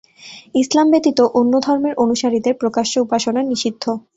ইসলাম ব্যতীত অন্য ধর্মের অনুসারীদের প্রকাশ্য উপাসনা নিষিদ্ধ।